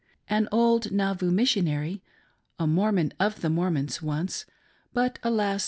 An old Nauvoo Missionary, — a Mormon of the Mormons once, but now, alas